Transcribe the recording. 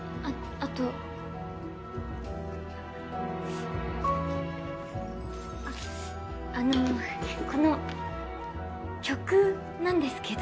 ああのこの曲なんですけど。